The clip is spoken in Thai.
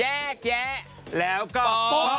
แยกแยกแล้วก็โป๊ะ